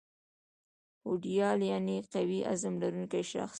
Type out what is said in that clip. هوډیال یعني قوي عظم لرونکی شخص